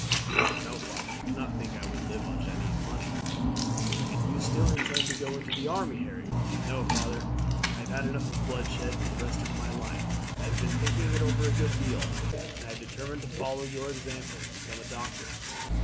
"No, no, father; you cannot think I would live on Jeanne's money." "And you still intend to go into the army, Harry?" "No, father; I have had enough of bloodshed for the rest of my life. I have been thinking it over a good deal, and I have determined to follow your example and become a doctor."